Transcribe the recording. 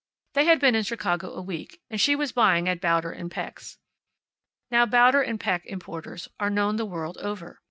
They had been in Chicago a week, and she was buying at Bauder & Peck's. Now, Bauder & Peck, importers, are known the world over.